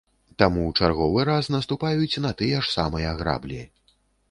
Таму чарговы раз наступаюць на тыя ж самыя граблі.